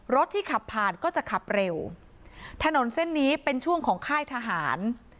รถที่ขับผ่านก็จะขับเร็วถนนเส้นนี้เป็นช่วงของค่ายทหาร